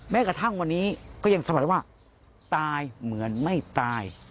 กระทั่งวันนี้ก็ยังสัมผัสได้ว่าตายเหมือนไม่ตาย